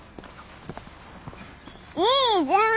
いいじゃん。